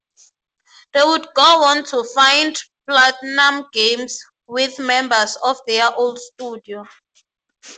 They would go on to found PlatinumGames with members of their old studio.